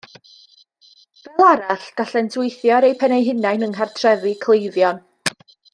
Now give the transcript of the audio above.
Fel arall, gallent weithio ar eu pen eu hunain yng nghartrefi cleifion